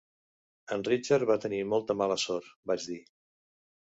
En Richard va tenir molta mala sort, vaig dir.